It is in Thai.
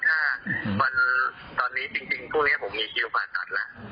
ถ้าตอนนี้จริงพรุ่งนี้ผมมีคิวผ่าตัดแล้ว